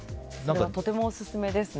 とてもオススメですね。